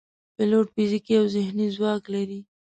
پیلوټ فزیکي او ذهني ځواک لري.